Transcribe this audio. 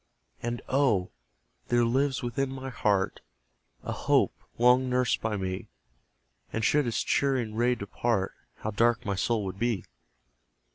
And, oh! there lives within my heart A hope, long nursed by me; (And should its cheering ray depart, How dark my soul would be!)